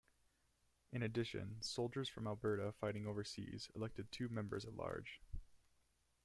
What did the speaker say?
In addition, soldiers from Alberta fighting overseas elected two members-at-large.